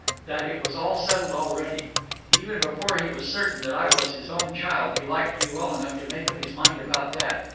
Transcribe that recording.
That it was all settled already. Even before he was certain that I was his own child, he liked me well enough to make up his mind about that.